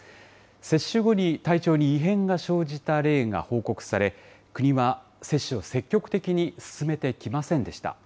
接種後に体調に異変が生じた例が報告され、国は接種を積極的に勧めてきませんでした。